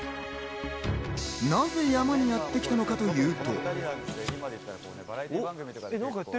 なぜ山にやってきたのかというと。